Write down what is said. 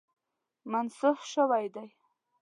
منسوخ شوی دی.